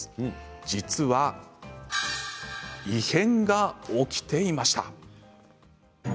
実は異変が起きていました。